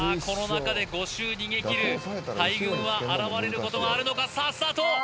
この中で５周逃げきる大群は現れることがあるのかさあスタート